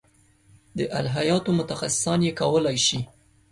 د الهیاتو متخصصان یې کولای شي.